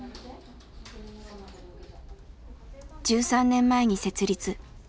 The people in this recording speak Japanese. １３年前に設立。